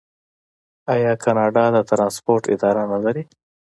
آیا کاناډا د ټرانسپورټ اداره نلري؟